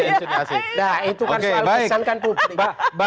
nah itu kan selalu dikesankan publik